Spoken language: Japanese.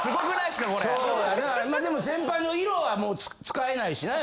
でも先輩の色はもう使えないしな